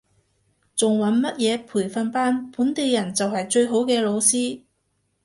仲揾乜嘢培訓班，本地人就係最好嘅老師